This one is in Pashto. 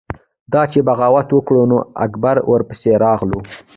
ده چې بغاوت وکړو نو اکبر ورپسې راغلو۔